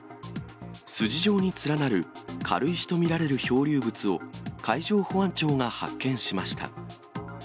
筋状に連なる軽石と見られる漂流物を海上保安庁が発見しました。